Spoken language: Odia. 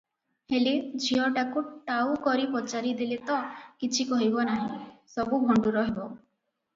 ହେଲେ, ଝିଅଟାକୁ ଟାଉକରି ପଚାରି ଦେଲେ ତ କିଛି କହିବ ନାହିଁ, ସବୁ ଭଣ୍ଡୁର ହେବ ।